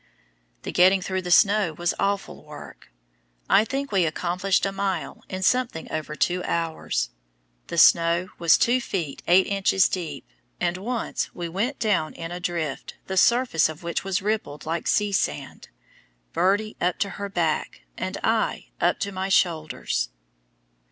The getting through the snow was awful work. I think we accomplished a mile in something over two hours. The snow was two feet eight inches deep, and once we went down in a drift the surface of which was rippled like sea sand, Birdie up to her back, and I up to my shoulders!